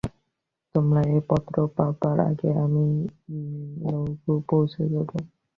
তোমরা এই পত্র পাবার আগেই আমি ইংলণ্ড পৌঁছে যাব।